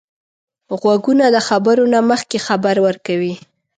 غوږونه د خبرو نه مخکې خبر ورکوي